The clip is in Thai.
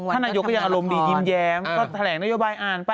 ท่านนายกก็ยังอารมณ์ดียิ้มแย้มก็แถลงนโยบายอ่านไป